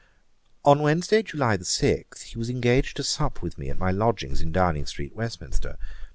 Ætat 54.] On Wednesday, July 6, he was engaged to sup with me at my lodgings in Downing street, Westminster.